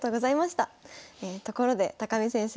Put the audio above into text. ところで見先生